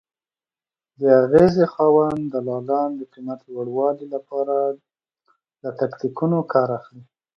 د اغېزې خاوند دلالان د قیمت لوړوالي لپاره له تاکتیکونو کار اخلي.